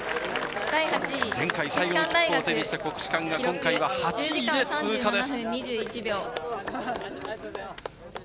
前回、最後の切符を手にした国士舘が、今回は８位で通過です。